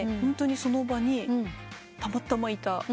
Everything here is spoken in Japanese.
ホントにその場にたまたまいた。